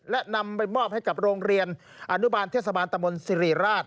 และนำไปมอบให้กับโรงเรียนอนุบาลเทศบาลตะมนต์สิริราช